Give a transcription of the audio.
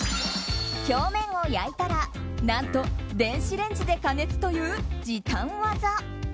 表面を焼いたら何と電子レンジで加熱という時短技。